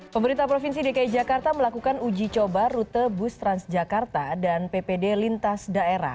pemerintah provinsi dki jakarta melakukan uji coba rute bus transjakarta dan ppd lintas daerah